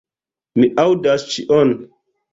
Mi aŭdas ĉion.